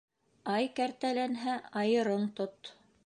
Ай кәртәләнһә, айырың тот